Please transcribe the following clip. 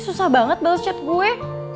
susah banget balas chat gue